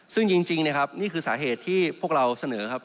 ซึ่งจริงนะครับนี่คือสาเหตุที่พวกเราเสนอครับ